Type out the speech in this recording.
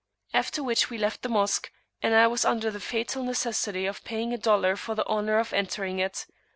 After which we left the Mosque, and I was under the "fatal necessity" of paying a dollar for the honour of entering it.